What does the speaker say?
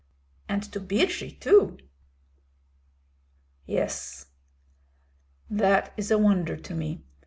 "And to Birji too?" "Yes." "That is a wonder to me.